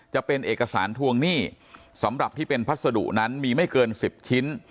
จะเป็นเอกสารทวงหนี้สำหรับที่เป็นพัสดุนั้นมีไม่เกิน๑๐ชิ้น